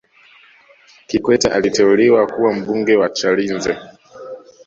kikwete aliteuliwa kuwa mbunge wa chalinze